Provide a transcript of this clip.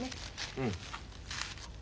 うん。